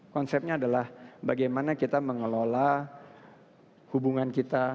konsepnya adalah bagaimana kita mengelola hubungan kita